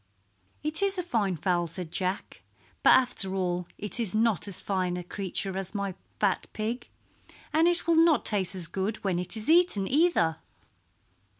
"It is a fine fowl," said Jack. "But after all it is not as fine a creature as my fat pig, and it will not taste as good when it is eaten, either."